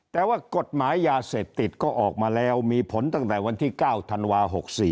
แต่ว่ากฎหมายยาเสพติดก็ออกมาแล้วมีผลตั้งแต่วันที่๙ธันวา๖๔